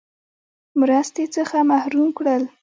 مرستې څخه محروم کړل.